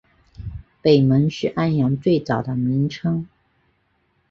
北蒙是安阳最早的名称。